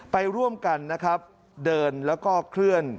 ไปร่วมกันนะครับเดินแล้วก็เคลื่อน